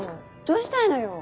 どうしたいのよ？